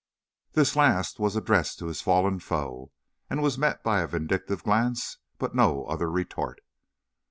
The last was addressed to his fallen foe, and was met by a vindictive glance, but no other retort.